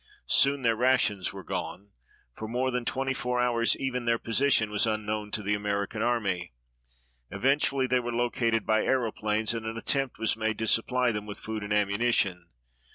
Soon their rations were gone. For more than twenty four hours even their position was unknown to the American Army. Eventually they were located by aeroplanes and an attempt was made to supply them with food and ammunition.